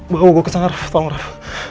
bahwa gue kesana raff tolong raff